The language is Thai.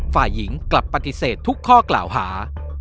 ฝ่ายหญิงกลับปฏิเสธทุกข้อกล่าวหา